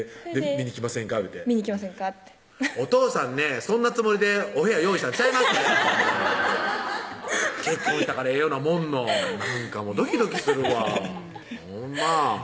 言うて「見に来ませんか？」ってお父さんねそんなつもりでお部屋用意したんちゃいまっせ結婚したからええようなもんのドキドキするわほんま